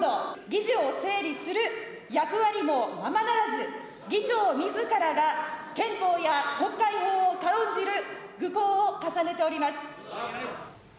議事を整理する役割もままならず、議長みずからが憲法や国会法を軽んじる愚行を重ねております。